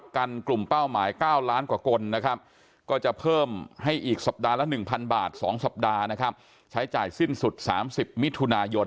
ด้วยชื่อเหลือพี่น้องไปจนทุกคนให้ปลอดภัยและให้ประเทศไทยที่รักของเราทุกคน